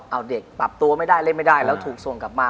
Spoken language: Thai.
เอาเด็กปรับตัวไม่ได้เล่นไม่ได้แล้วถูกส่งกลับมา